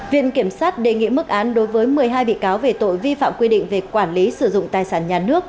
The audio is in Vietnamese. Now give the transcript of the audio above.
viện kiểm sát đề nghị mức án đối với một mươi hai bị cáo về tội vi phạm quy định về quản lý sử dụng tài sản nhà nước